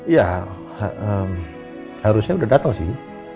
ya harusnya sudah datang sih